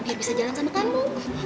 biar bisa jalan sama kamu